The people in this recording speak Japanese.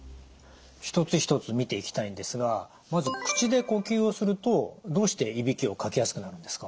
一つ一つ見ていきたいんですがまず口で呼吸をするとどうしていびきをかきやすくなるんですか？